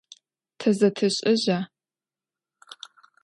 Тэ зэтэшӏэжьа?